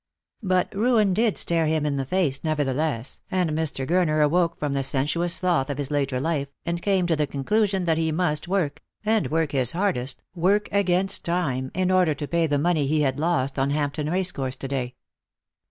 But ruin did stare him in the face, nevertheless, and Mr. Gurner awoke from the sensuous sloth of his later life, and came to the conclusion that he must work, and work his hardest, work against time, in order to pay the money he had lost on Hampton racecourse to day.